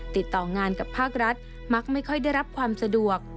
ติดต่องานกับภาครัฐมักไม่ค่อยได้รับความสะดวก